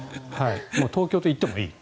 東京といってもいい。